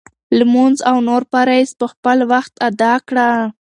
لمونځ او نور فرایض په خپل وخت ادا کړه.